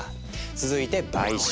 続いて「買収」。